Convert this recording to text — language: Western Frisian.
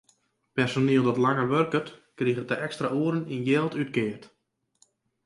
Personiel dat langer wurket, kriget de ekstra oeren yn jild útkeard.